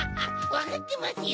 わかってますよ。